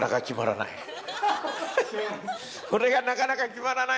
これがなかなか決まらない。